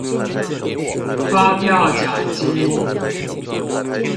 發票獎金